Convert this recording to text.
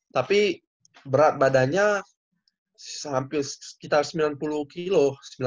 tapi berat badannya hampir sekitar sembilan puluh kilo sembilan puluh seratus kilo